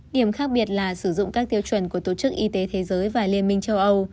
điểm khác biệt là sử dụng các tiêu chuẩn của tổ chức y tế thế giới và liên minh châu âu